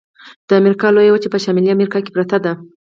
د امریکا لویه وچه په شمالي امریکا کې پرته ده.